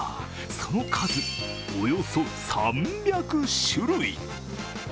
その数、およそ３００種類。